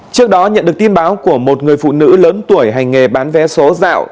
trước đó nhận được tin báo của một người phụ nữ lớn tuổi hành nghề bán vé số dạo